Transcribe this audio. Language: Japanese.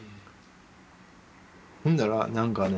ほんだらなんかね